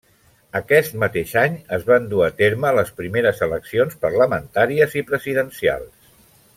Aquest mateix any es van dur a terme les primeres eleccions parlamentàries i presidencials.